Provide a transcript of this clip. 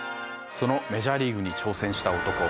そのメジャーリーグに挑戦した男